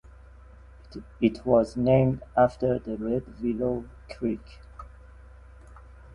It was named after the Red Willow Creek.